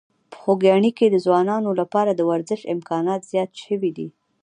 په خوږیاڼي کې د ځوانانو لپاره د ورزش امکانات زیات شوي دي.